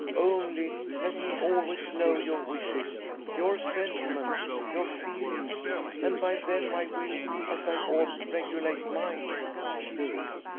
Only let me always know your wishes, your sentiments, your feelings, and by them I will, as I ought, regulate mine."